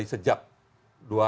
ini sudah sudah